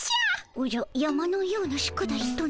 おじゃ山のような宿題とな？